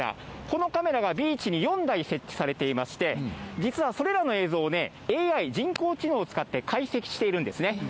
このカメラがビーチに４台設置されていまして、実はそれらの映像をＡＩ・人工知能を使って解析しているんですね。